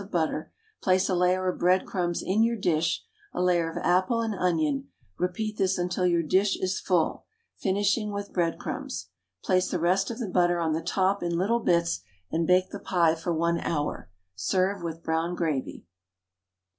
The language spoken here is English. of butter, place a layer of breadcrumbs in your dish, a layer of apple and onion, repeat this until your dish is full, finishing with breadcrumbs. Place the rest of the butter on the top in little bits, and bake the pie for 1 hour. Serve with brown gravy.